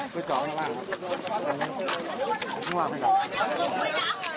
ปลาก็ไปโดนหัวผู้การ